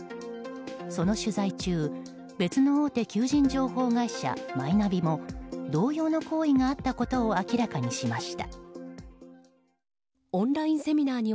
その取材中別の大手求人情報会社マイナビも同様の行為があったことを明らかにしました。